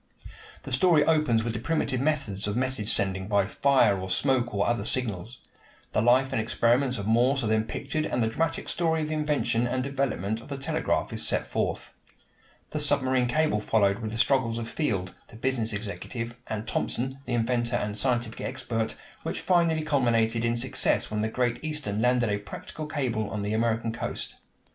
The story opens with the primitive methods of message sending by fire or smoke or other signals. The life and experiments of Morse are then pictured and the dramatic story of the invention and development of the telegraph is set forth. The submarine cable followed with the struggles of Field, the business executive, and Thomson, the inventor and scientific expert, which finally culminated in success when the Great Eastern landed a practical cable on the American coast.